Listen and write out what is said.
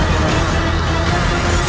terima kasih ya allah